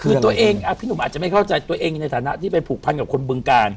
คือตัวเองพี่หนุ่มอาจจะไม่เข้าใจตัวเองในฐานะที่ไปผูกพันกับคนบึงการ